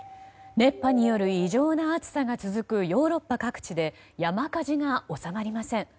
熱波による異常な暑さが続くヨーロッパ各地で山火事が収まりません。